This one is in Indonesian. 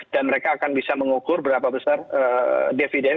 dan mereka akan bisa mengukur berapa besar dividend